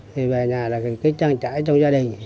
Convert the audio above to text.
thì về nhà là cái trang trải trong gia đình